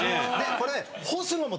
これ。